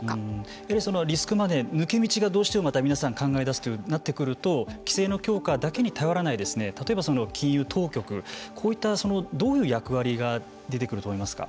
やはりリスクマネー抜け道を考え出すようになってくると規制の強化に頼らない例えば、金融当局、こういったどういう役割が出てくると思いますか。